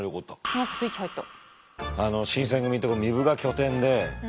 何かスイッチ入った。